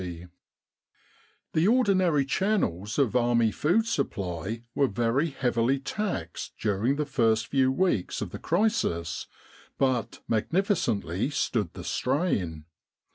in Egypt The ordinary channels of Army food supply were very heavily taxed during the first few weeks of the crisis, but magnificently stood the strain.